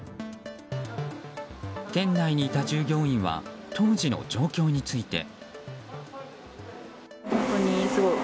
店内にいた従業員は当時の状況について。